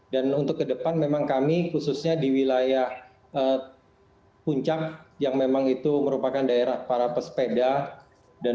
dan untuk ke depan memang kami khususnya di wilayah puncak yang memang itu merupakan daerah para pesepeda